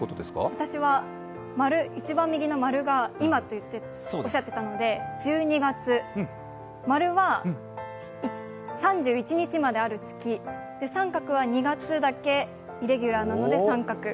私は一番右の○が今とおっしゃっていたので１２月、○は３１日まである月、△は２月だけイレギュラーなので△。